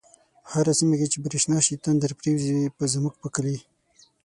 په هره سیمه چی برشنا شی، تندر پریوزی زمونږ په کلی